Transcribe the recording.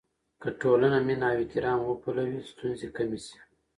که ټولنه مینه او احترام وپلوي، ستونزې کمې شي.